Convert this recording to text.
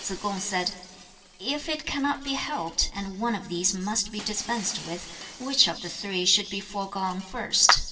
2. Tsze kung said, 'If it cannot be helped, and one of these must be dispensed with, which of the three should be foregone first?'